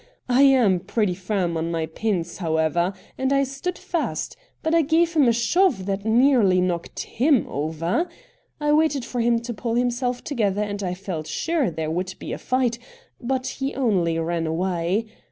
I am pretty firm on my pins, however, and I stood fast, but I gave him a shove that nearly knocked him over. I waited for him to pull himself together, and I felt sure there would be a fight, but he only ran away.